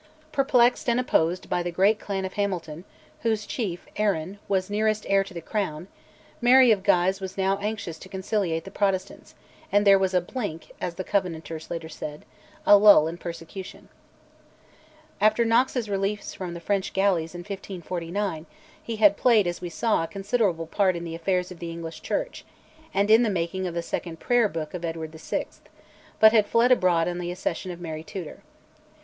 Perplexed and opposed by the great clan of Hamilton, whose chief, Arran, was nearest heir to the crown, Mary of Guise was now anxious to conciliate the Protestants, and there was a "blink," as the Covenanters later said, a lull in persecution. After Knox's release from the French galleys in 1549, he had played, as we saw, a considerable part in the affairs of the English Church, and in the making of the second Prayer Book of Edward VI., but had fled abroad on the accession of Mary Tudor.